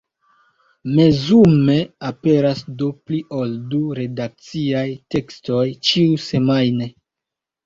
Mezume aperas do pli ol du redakciaj tekstoj ĉiusemajne.